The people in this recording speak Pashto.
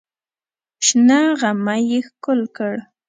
شنه غمی یې ښکل کړ.